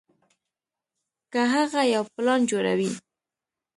کۀ هغه يو پلان جوړوي